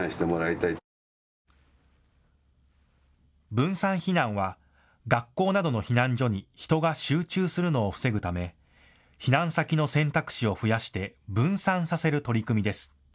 分散避難は学校などの避難所に人が集中するのを防ぐため避難先の選択肢を増やして分散させる取り組みです。